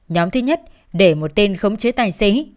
nhóm thứ nhất để một tên khống chế tài xế